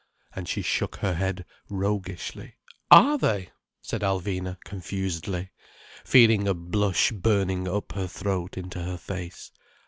And she shook her head roguishly. "Are they!" said Alvina confusedly, feeling a blush burning up her throat into her face.